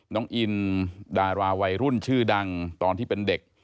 น้องอินดาราวัยรุ่นชื่อดังตอนที่เป็นเด็ก